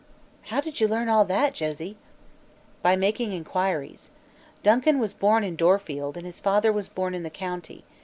"How did you learn all that, Josie?" "By making inquiries. Duncan was born in Dorfield and his father was born in the county.